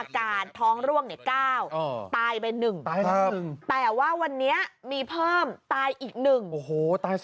คุณผู้ชมทำอะไรกินก่อน